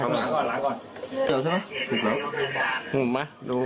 เห็นไหมถูกหรือห่วงไหมดู